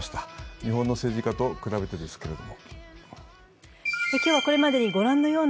日本の政治家と比べてですけれども。